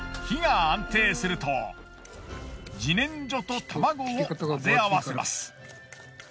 火が安定すると自然薯と卵を混ぜ合わせます。